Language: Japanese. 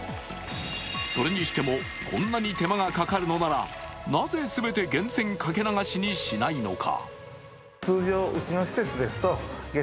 それにしても、こんなに手間がかかるのなら、なぜ全て源泉かけ流しにしないのか。